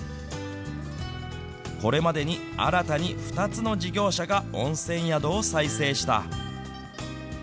これまでに新たに２つの事業者が温泉宿を再生した。